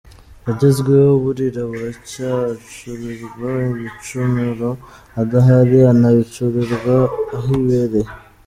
Yagenzweho burira buracya, acurirwa ibicumuro adahari anabicurirwa ahibereye!